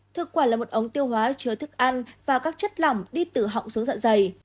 thực quả là một ống tiêu hóa chứa thức ăn và các chất lỏng đi từ họng xuống dạ dày